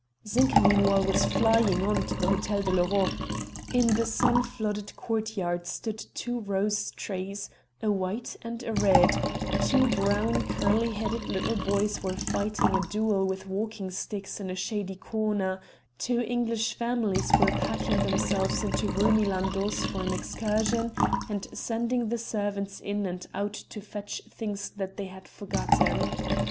Zinka meanwhile was flying on to the Hotel de l'Europe. In the sun flooded court yard stood two rose trees, a white and a red two brown curly headed little boys were fighting a duel with walking sticks in a shady corner two English families were packing themselves into roomy landaus for an excursion and sending the servants in and out to fetch things that they had forgotten.